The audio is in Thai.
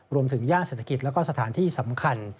รวมถึงย่างเศรษฐกิจและสถานที่สำคัญ